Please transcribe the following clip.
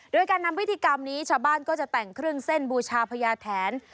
โดยการนำพิธีกรรมนี้ชาวบ้านก็จะแต่งเครื่องเส้นบูชาพญาแถน